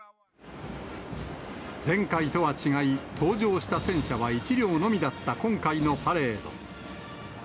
前回とは違い、登場した戦車は１両のみだった今回のパレード。